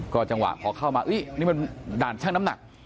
จังหวะพอเข้ามานี่มันด่านช่างน้ำหนัก